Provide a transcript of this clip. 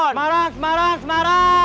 semarang semarang semarang